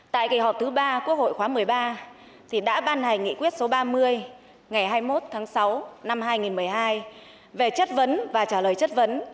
tại kỳ họp thứ ba quốc hội khóa một mươi ba đã ban hành nghị quyết số ba mươi ngày hai mươi một tháng sáu năm hai nghìn một mươi hai về chất vấn và trả lời chất vấn